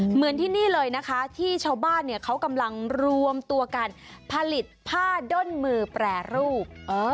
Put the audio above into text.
เหมือนที่นี่เลยนะคะที่ชาวบ้านเนี่ยเขากำลังรวมตัวกันผลิตผ้าด้นมือแปรรูป